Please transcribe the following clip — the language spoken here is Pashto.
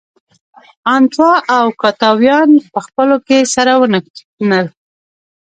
انتو او اوکتاویان په خپلو کې سره ونښتل.